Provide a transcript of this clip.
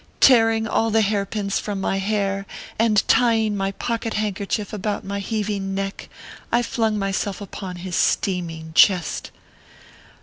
Tearing all the hair pins from my hair and tying my pocket handkerchief about my heaving neck, I flung myself upon his steaming chest.